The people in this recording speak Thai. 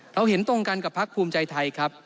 เห็นตรงกันกับพักภูมิใจไทยครับ